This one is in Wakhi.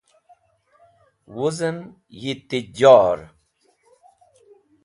Wuzem yi Tijjor.